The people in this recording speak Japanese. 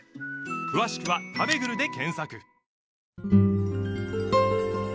詳しくは「たべぐる」で検索